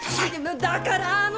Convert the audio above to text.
もうだからあの。